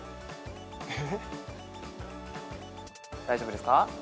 大丈夫ですか？